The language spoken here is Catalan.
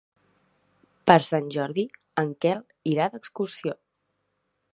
Per Sant Jordi en Quel irà d'excursió.